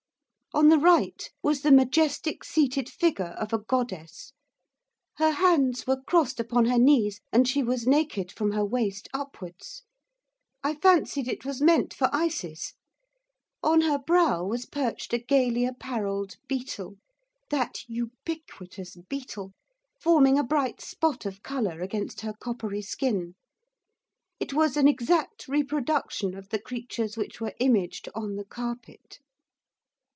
On the right was the majestic seated figure of a goddess. Her hands were crossed upon her knees, and she was naked from her waist upwards. I fancied it was meant for Isis. On her brow was perched a gaily apparelled beetle that ubiquitous beetle! forming a bright spot of colour against her coppery skin, it was an exact reproduction of the creatures which were imaged on the carpet.